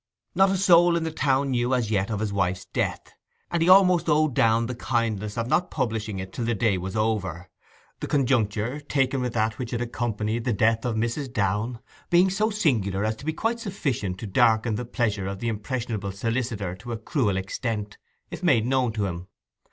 Not a soul in the town knew, as yet, of his wife's death; and he almost owed Downe the kindness of not publishing it till the day was over: the conjuncture, taken with that which had accompanied the death of Mrs. Downe, being so singular as to be quite sufficient to darken the pleasure of the impressionable solicitor to a cruel extent, if made known to him.